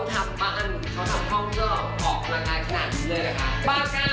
เขาทำบ้านเขาทำห้องเขาออกมากรายขนาดนี้เลยค่ะ